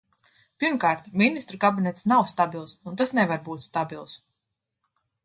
Pirmkārt, Ministru kabinets nav stabils, un tas nevar būt stabils.